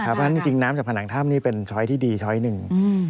เพราะฉะนั้นจริงน้ำจากผนังถ้ำนี่เป็นช้อยที่ดีช้อยหนึ่ง